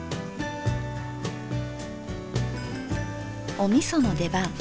おみその出番。